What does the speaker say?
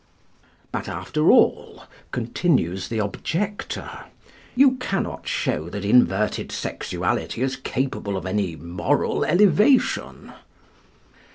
"But, after all," continues the objector, "you cannot show that inverted sexuality is capable of any moral elevation."